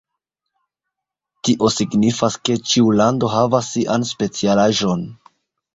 Tio signifas, ke ĉiu lando havas sian specialaĵon.